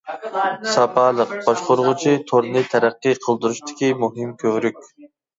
ساپالىق باشقۇرغۇچى تورنى تەرەققىي قىلدۇرۇشتىكى مۇھىم كۆۋرۈك.